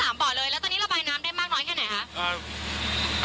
บ่อเลยแล้วตอนนี้ระบายน้ำได้มากน้อยแค่ไหนคะ